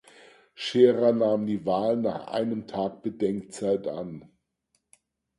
Scherer nahm die Wahl nach einem Tag Bedenkzeit an.